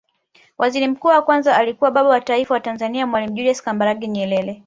Waziri Mkuu wa Kwanza alikuwa Baba wa Taifa la Tanzania mwalimu Julius Kambarage Nyerere